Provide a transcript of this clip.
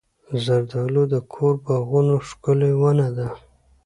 زردالو د کور باغونو ښکلې ونه ده.